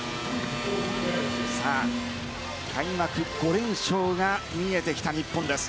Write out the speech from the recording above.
開幕５連勝が見えてきた日本です。